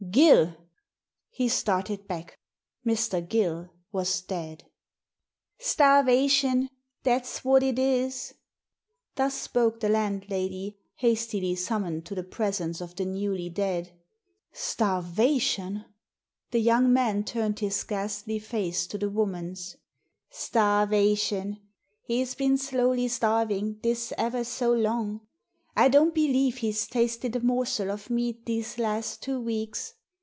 "Gill!" He started back. Mr. Gill was dead !" Starvation — that's what it is." Digitized by VjOOQIC THE TIPSTER 151 Thus spoke the landlady, hastily summoned to the presence of the newly dead. "Starvation!" The young man turned his ghastly face to the woman's. "Starvation. He's been slowly starving this ever so long. I don't believe he's tasted a morsel of meat these last two weeks.